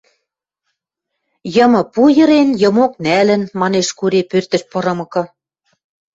— Йымы пуйырен — йымок нӓлӹн, — манеш Кури, пӧртӹш пырымыкы